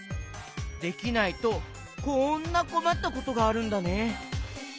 できないとこんなこまったことがあるんだね。